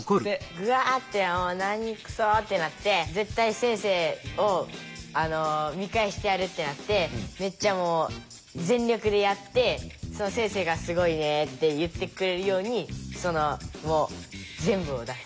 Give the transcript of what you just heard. ぐあって何くそってなって絶対先生を見返してやるってなってめっちゃもう全力でやって先生が「すごいね」って言ってくれるようにそのもう全部を出す。